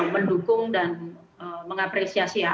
mendukung dan mengapresiasi ya